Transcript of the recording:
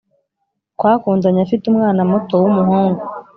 Twakundanye afite umwana muto w’umuhungu